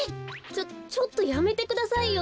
ちょちょっとやめてくださいよ。